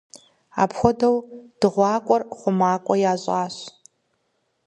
Апхуэдэу дыгъуакӏуэр хъумакӏуэ ящӏащ.